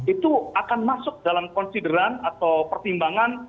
itu akan masuk dalam konsideran atau pertimbangan